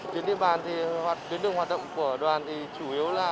tuyến đi bàn hoặc tuyến đường hoạt động của đoàn thì chủ yếu là